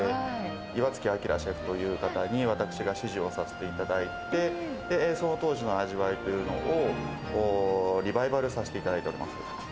岩月明シェフという方に、私が師事をさせていただいて、その当時の味わいというのをリバイバルさせていただいております。